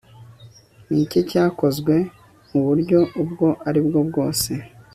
niki cyakozwe muburyo ubwo aribwo bwose